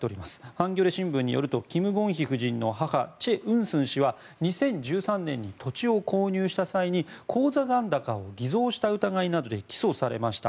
ハンギョレ新聞によりますとキム・ゴンヒ夫人の母チェ・ウンスン氏は２０１３年に土地を購入した際に口座残高を偽造した疑いなどで起訴されました。